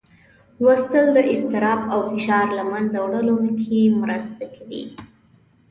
لوستل د اضطراب او فشار له منځه وړلو کې مرسته کوي.